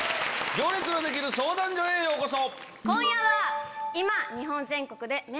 『行列のできる相談所』へようこそ。